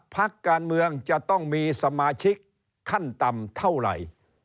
พักการเมืองจะต้องมีสมาชิกขั้นต่ำเท่าไหร่